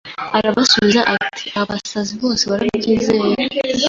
Arabasubiza ati Abasizi bose barabyizera